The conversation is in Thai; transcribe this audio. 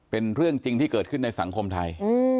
เป็นเรื่องจริงที่เกิดขึ้นในสังคมไทย